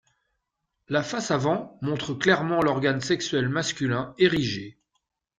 La face avant montre clairement l'organe sexuel masculin érigé.